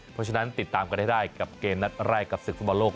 เพราะฉะนั้นติดตามกันให้ได้กับเกมนัดแรกกับศึกฟุตบอลโลก